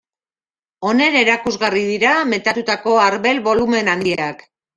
Honen erakusgarri dira metatutako arbel bolumen handiak.